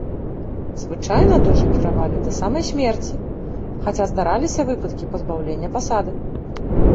Звычайна дожы кіравалі да самай смерці, хаця здараліся выпадкі пазбаўлення пасады.